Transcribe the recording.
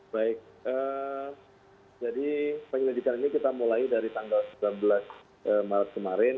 baik jadi penyelidikan ini kita mulai dari tanggal sembilan belas maret kemarin